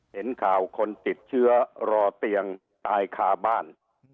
เห็นข่าวคนติดเชื้อรอเตียงตายคาบ้าน